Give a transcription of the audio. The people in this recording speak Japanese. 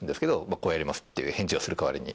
こう、やりますっていう返事をする代わりに。